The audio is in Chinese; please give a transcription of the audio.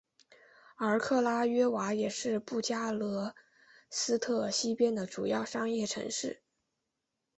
而克拉约瓦也是布加勒斯特西边的主要商业城市。